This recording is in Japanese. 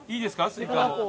スイカも。